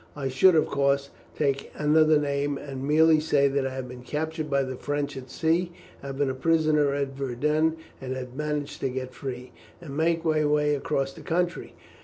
I should, of course, take another name, and merely say that I had been captured by the French at sea, had been a prisoner at Verdun, and had managed to get free, and make my way across the country.